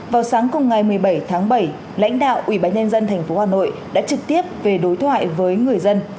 vào sáng cùng ngày một mươi bảy tháng bảy lãnh đạo ubnd tp hà nội đã trực tiếp về đối thoại với người dân